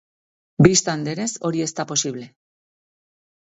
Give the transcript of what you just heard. Bistan denez, hori ez da posible.